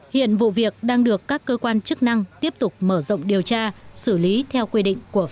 hiện vụ việc đang được các cơ quan chức năng tiếp tục mở rộng điều tra xử lý theo quy định của pháp luật